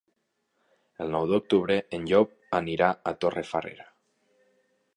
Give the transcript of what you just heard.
El nou d'octubre en Llop anirà a Torrefarrera.